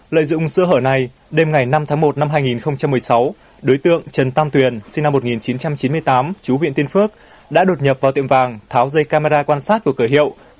lợi dụng sơ hở này đêm ngày năm tháng một năm hai nghìn một mươi sáu đối tượng trần tam tuyền sinh năm một nghìn chín trăm chín mươi tám chú huyện tiên phước đã đột nhập vào tiệm vàng tháo dây camera quan sát của cửa hiệu